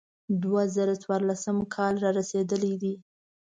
دوه زره څوارلسم کال را رسېدلی دی.